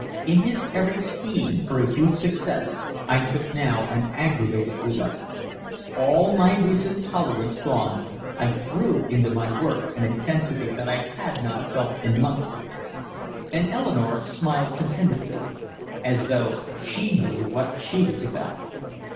In his every scheme for a huge success I took now an aggravated delight. All my recent tolerance gone, I threw into my work an intensity that I had not felt in months. And Eleanore smiled contentedly, as though she knew what she was about.